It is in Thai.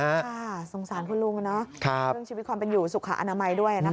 ค่ะสงสารคุณลุงนะ